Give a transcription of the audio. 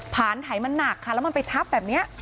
ผ่านไถมันหนักค่ะแล้วมันไปทับแบบนี้